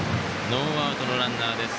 ノーアウトのランナーです。